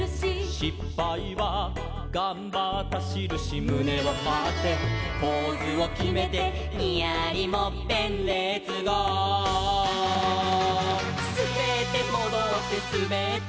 「しっぱいはがんばったしるし」「むねをはってポーズをきめて」「ニヤリもっぺんレッツゴー！」「すべってもどってすべってもどって」